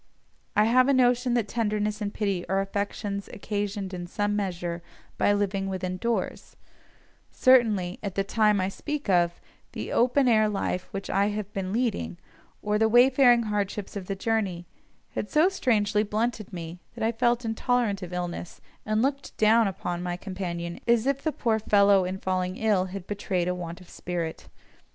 I have a notion that tenderness and pity are affections occasioned in some measure by living within doors; certainly, at the time I speak of, the open air life which I have been leading, or the wayfaring hardships of the journey, had so strangely blunted me, that I felt intolerant of illness, and looked down upon my companion as if the poor fellow in falling ill had betrayed a want of spirit.